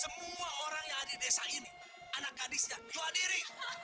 semua orang yang ada di desa ini anak gadisnya jual diri